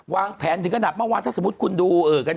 วางแผนถึงกระดับเมื่อวานถ้าสมมติคุณดู